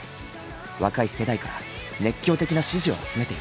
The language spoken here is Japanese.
若い世代から熱狂的な支持を集めている。